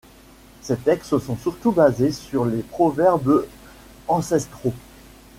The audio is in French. Ses textes sont surtout basés sur les proverbes ancestraux.